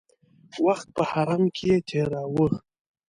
وخت په حرم کې تېراوه.